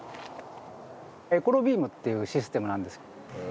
エコロビームっていうシステムなんです。